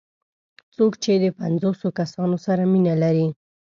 څوک چې د پنځوسو کسانو سره مینه لري.